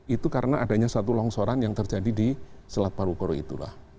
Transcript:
itu karena adanya satu longsoran yang terjadi di selat paru paru itulah